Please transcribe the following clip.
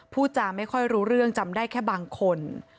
พูดจาไม่ค่อยรู้เรื่องจำได้แค่บางคน